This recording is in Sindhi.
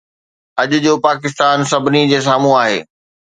اڄ جو پاڪستان سڀني جي سامهون آهي.